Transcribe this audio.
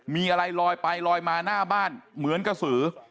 มีอะไรลอยไปลอยมาหน้าบ้านเหมือนกระสือ